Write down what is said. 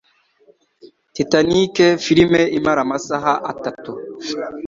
Titanic, filime imara amasaha atatu